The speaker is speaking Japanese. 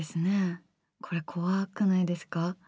これ、怖くないですか。